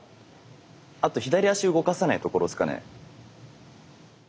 あと左足動かさないところですかね。